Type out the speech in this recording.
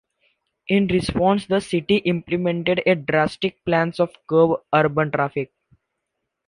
In response, the city implemented drastic plans to curb urban traffic.